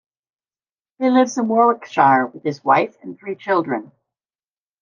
He lives in Warwickshire with his wife and three children.